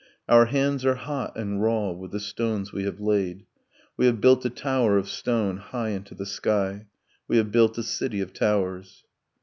Our hands are hot and raw with the stones we have laid, We have built a tower of stone high into the sky, We have built a city of towers.